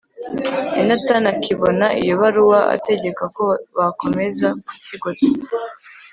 yonatani akibona iyo baruwa, ategeka ko bakomeza kukigota